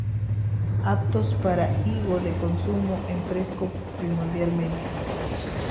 Aptos para higo de consumo en fresco primordialmente.